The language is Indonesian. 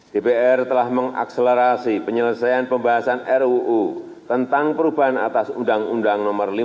dpr telah mengakselerasi penyelesaian pembahasan ruu tentang perubahan atas undang undang nomor lima